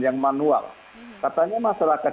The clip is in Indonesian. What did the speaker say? yang manual katanya masyarakat